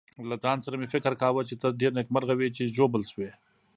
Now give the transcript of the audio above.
له ځان سره مې فکر کاوه چې ته ډېر نېکمرغه وې چې ژوبل شوې.